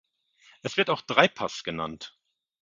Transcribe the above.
Es wird auch Dreipass genannt.